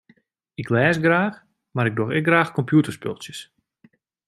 Ik lês graach mar ik doch ek graach kompjûterspultsjes.